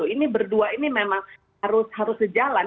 ini berdua ini memang harus sejalan